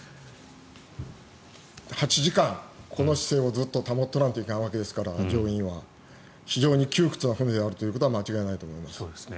８時間、この姿勢をずっと乗員は保っていないといけないわけですから非常に窮屈な船であることは間違いないと思います。